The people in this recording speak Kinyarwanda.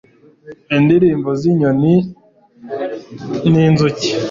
Indirimbo zinyoni ninzuki